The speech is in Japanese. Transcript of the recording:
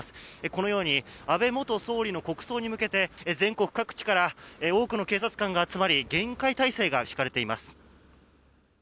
このように安倍元総理の国葬に向けて全国各地から多くの警察官が集まり厳戒態勢が敷かれております。